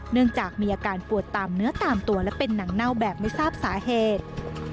เนื่องจากมีอาการปวดตามเนื้อตามตัวและเป็นหนังเน่าแบบไม่ทราบสาเหตุ